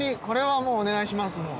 これはもうお願いします